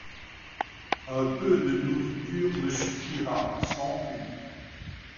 Un peu de nourriture me suffira sans plus.